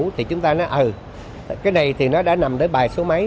thì chúng ta nói ừ cái này thì nó đã nằm ở bài số mấy